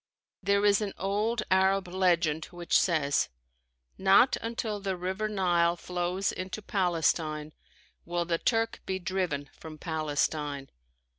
There is an old Arab legend which says: "Not until the River Nile flows into Palestine will the Turk be driven from Palestine."